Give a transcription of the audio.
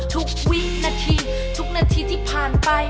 ทุกวินาทีทุกนาทีที่ผ่านไป